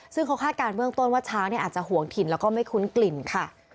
ซึ่งเขาคาดการณ์เบื้องต้นว่าช้างอาจจะห่วงถิ่นแล้วก็ไม่คุ้นกลิ่นค่ะ